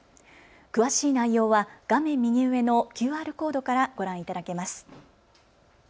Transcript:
詳しい内容は画面右上のＱＲコードからご覧いただけます。